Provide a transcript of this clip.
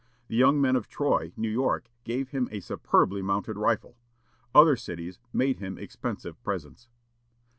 The young men of Troy, New York, gave him a superbly mounted rifle. Other cities made him expensive presents.